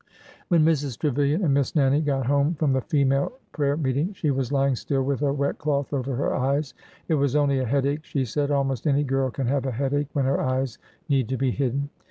When Mrs. Trevilian and Miss Nannie got home from the female prayer meeting, she was lying still with a wet cloth over her eyes. It was only a headache, she said. Almost any girl can have a headache when her eyes need to be hidden.